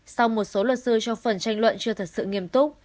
sau một số luật sư trong phần tranh luận chưa thật sự nghiêm túc